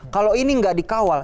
kalau ini enggak dikawal